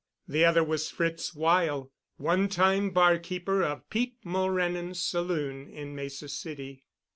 The other was Fritz Weyl, one time barkeeper of Pete Mulrennan's saloon in Mesa City.